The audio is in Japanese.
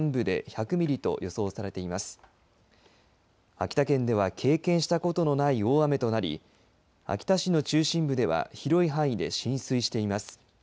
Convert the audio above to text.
秋田県では経験したことのない大雨となり秋田市の中心部では広い範囲で浸水しています。